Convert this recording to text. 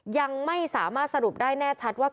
ยังไม่สามารถสรุปได้แน่ชัดว่า